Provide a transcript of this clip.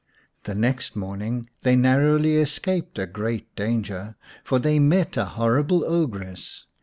The next morn ing they narrowly escaped a great danger, for they met a horrible ogress.